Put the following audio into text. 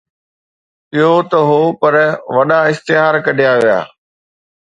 اهو نه هو، پر وڏا اشتهار ڪڍيا ويا